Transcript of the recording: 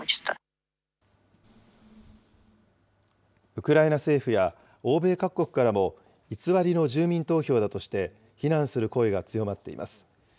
ウクライナ政府や欧米各国からも、偽りの住民投票だとして、非難する声が強まっています。